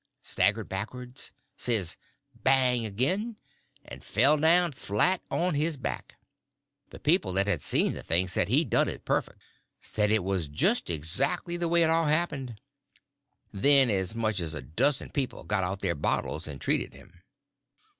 staggered backwards, says "Bang!" again, and fell down flat on his back. The people that had seen the thing said he done it perfect; said it was just exactly the way it all happened. Then as much as a dozen people got out their bottles and treated him.